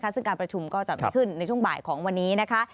ซึ่งการประชุมก็จะมีขึ้นในช่วงบ่ายของวันนี้นะคะ